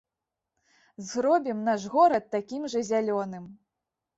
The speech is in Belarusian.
Зробім наш горад такім жа зялёным!